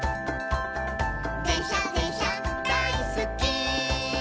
「でんしゃでんしゃだいすっき」